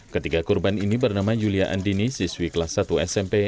ketiga korban ini bernama yulia andini siswi kelas satu smp